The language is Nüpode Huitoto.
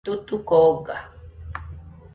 Tutuco oga.